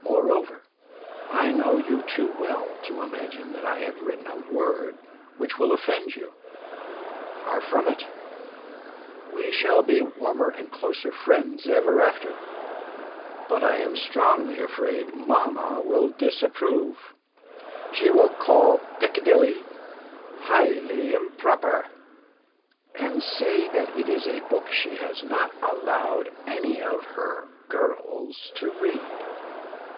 Moreover, I know you too well to imagine that I have written a word which will offend you. Far from it. We shall be warmer and closer friends ever after; but I am strongly afraid mamma will disapprove. She will call 'Piccadilly' "highly improper," and say that it is a book she has not allowed any of "her girls" to read.